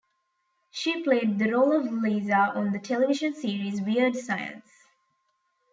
She played the role of Lisa on the television series "Weird Science".